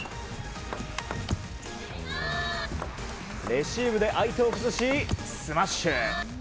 レシーブで相手を崩しスマッシュ。